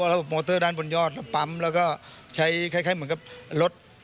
ระบบโมเตอร์ด้านบนยอดเราปั๊มแล้วก็ใช้คล้ายเหมือนกับรถ